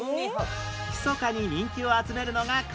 ひそかに人気を集めるのがこちら